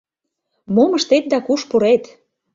Мом ыштет да куш пурет?